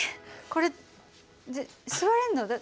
これ座れんの？